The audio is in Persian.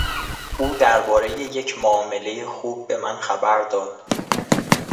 او دربارهی یک معاملهی خوب به من خبر داد.